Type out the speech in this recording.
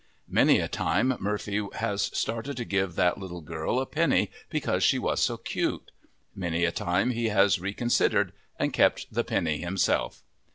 Many a time Murphy has started to give that little girl a penny because she was so cute. Many a time he has reconsidered and kept the penny himself!